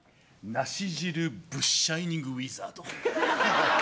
ナシ汁ブッシャイニングウィザード。